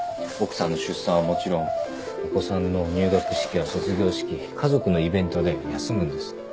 奥さんの出産はもちろんお子さんの入学式や卒業式家族のイベントで休むんです。